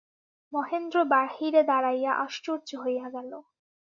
মহেন্দ্র বাহিরে দাঁড়াইয়া আশ্চর্য হইয়া গেল।